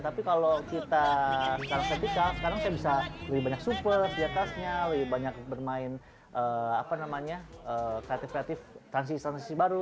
tapi kalau kita sekarang vertikal sekarang saya bisa lebih banyak supers di atasnya lebih banyak bermain kreatif kreatif transisi transisi baru